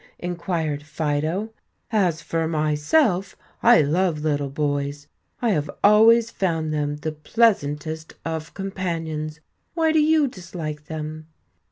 inquired Fido. "As for myself, I love little boys. I have always found them the pleasantest of companions. Why do you dislike them?"